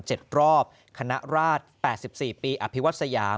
เจ็ดรอบคณะราช๘๔ปีอภิวัติสยาม